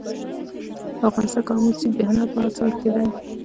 په افغانستان کې آمو سیند د هنر په اثار کې دی.